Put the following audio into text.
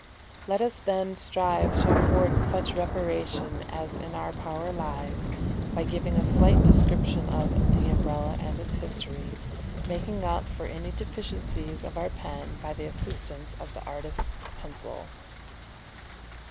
Let us then strive to afford such reparation as in our power lies, by giving a slight description of THE UMBRELLA AND ITS HISTORY, making up for any deficiencies of our pen by the assistance of the artist's pencil.